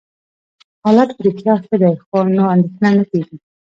حالت په رښتیا ښه دی، نو اندېښنه نه کېږي.